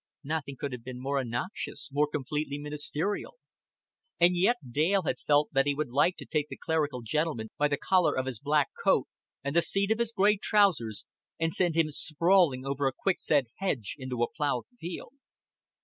Nothing could have been more innoxious, more completely ministerial; and yet Dale had felt that he would like to take the clerical gentleman by the collar of his black coat and the seat of his gray trousers, and send him sprawling over a quick set hedge into a ploughed field.